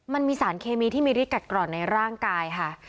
มันมีสารเคมีที่มีฤทธกัดกรอนในร่างกายค่ะ